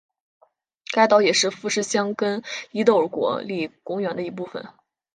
该岛也是富士箱根伊豆国立公园的一部分。